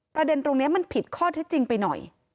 ประเด็นตรงนี้มันผิดข้อเท็จจริงไปหน่อย